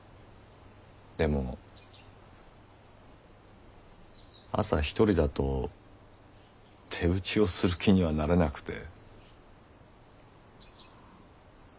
でも朝一人だと手打ちをする気にはなれなくて。